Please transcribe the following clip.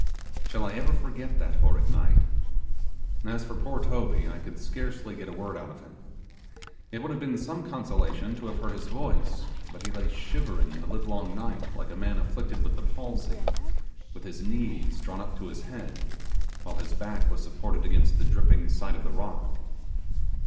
Shall I ever forget that horrid night! As for poor Toby, I could scarcely get a word out of him. It would have been some consolation to have heard his voice, but he lay shivering the live long night like a man afflicted with the palsy, with his knees drawn up to his head, while his back was supported against the dripping side of the rock.